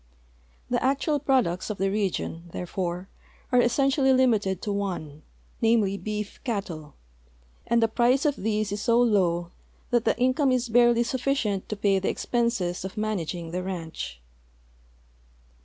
The actual i)roducts of the region, therefore, are essential!}'' limited to one, namely, beef cattle, and the price of these is so low that the income is barely sufficient to pay the expenses of managing the ranch.